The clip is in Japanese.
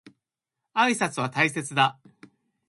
挨拶は大切だ。